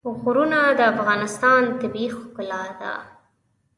غرونه د افغانستان طبیعي ښکلا ده.